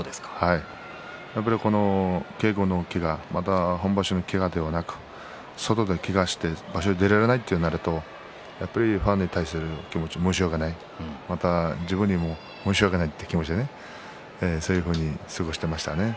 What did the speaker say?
やっぱり稽古のけが本場所のけがではなく外でけがして場所で出られないとなるとやっぱりファンに対する気持ち申し訳ないっていう気持ち自分にも申し訳ないという気持ちでそのようにして過ごしていました。